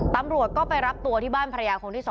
ตำรวจก็ไปรับตัวที่บ้านภรรยาคนที่๒